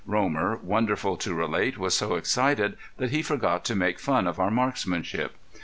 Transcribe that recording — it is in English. Romer, wonderful to relate, was so excited that he forgot to make fun of our marksmanship.